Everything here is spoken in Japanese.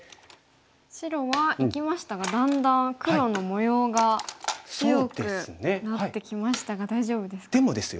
白は生きましたがだんだん黒の模様が強くなってきましたが大丈夫ですか？